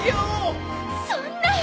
そんな。